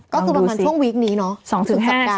ก็คือประมาณช่วงวีคนี้เนอะ